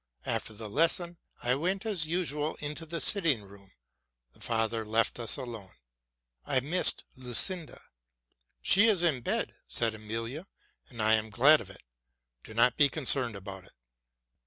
After the lesson, I went as usual into the sitting room ; the father left us alone; I missed Lucinda. '* She is in bed,"' said Emilia, '' and I am glad of it: do not be concerned about it.